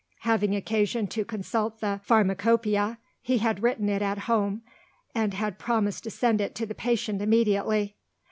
Having occasion to consult the "Pharmacopoeia," he had written it at home, and had promised to send it to the patient immediately.